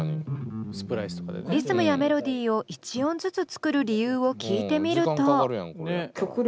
リズムやメロディーを一音ずつ作る理由を聞いてみると。